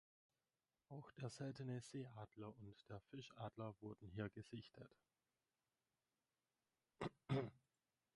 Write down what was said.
Auch der seltene Seeadler und der Fischadler wurden hier gesichtet.